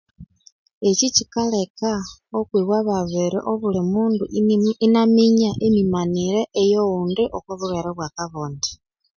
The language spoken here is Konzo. Ekyi kyikaleka okwibo ababiri obuli mundu inimya inaminya emimanire eyoghundi oku bulhwere obwa kabonde